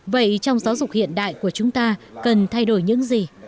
vậy trong giáo dục hiện đại của chúng ta cần thay đổi những gì